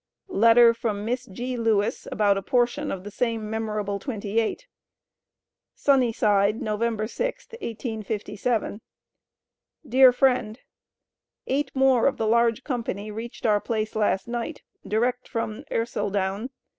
LETTER FROM MISS G. LEWIS ABOUT A PORTION OF THE SAME "MEMORABLE TWENTY EIGHT." SUNNYSIDE, Nov. 6th, 1857. DEAR FRIEND: Eight more of the large company reached our place last night, direct from Ercildown.